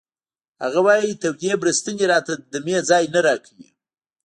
هغه وایی تودې بړستنې راته د دمې ځای نه راکوي